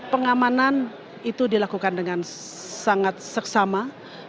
pengamanan itu dilakukan dengan sangat seksama